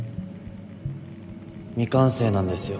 未完成なんですよ